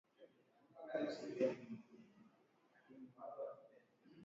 Awali waziri wa mambo ya nje wa Iraq alisema kuwa duru ya tano ya mazungumzo